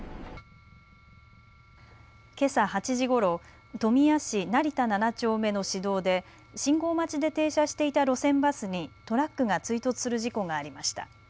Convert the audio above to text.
けさ８時ごろ富谷市成田７丁目の市道で信号待ちで停車していた路線バスにトラックが追突する事故がありました。